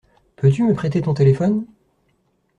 Peux-tu me prêter ton téléphone?